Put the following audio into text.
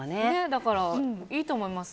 だからいいと思います。